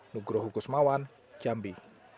nugroh hukus mawan jambi